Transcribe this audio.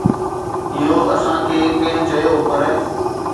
اهو اسان کي ڪنهن چيو، پر